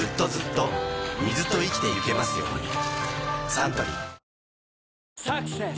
サントリー「サクセス」